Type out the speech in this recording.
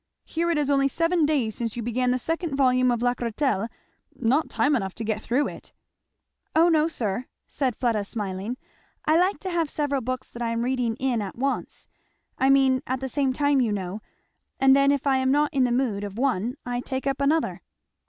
Here it is only seven days since you began the second volume of Lacretelle not time enough to get through it." "O no, sir," said Fleda smiling, "I like to have several books that I am reading in at once, I mean at the same time, you know; and then if I am not in the mood of one I take up another."